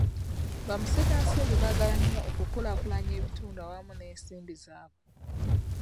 Bamusigansimbi baagala nnyo okukulaakulanya ebitundu awamu n'ensi zaabwe.